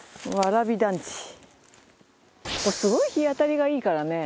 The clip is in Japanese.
ここすごい日当たりがいいからね。